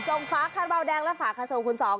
จงฟ้าข้าวเบาแดงและฝาขสมคุณสอง